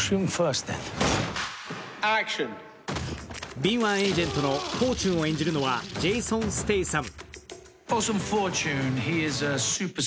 敏腕エージェントのフォーチュンを演じるのはジェイソン・ステイサム。